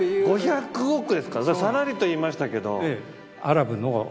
さらりと言いましたけど。